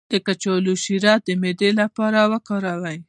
د کچالو شیره د معدې لپاره وکاروئ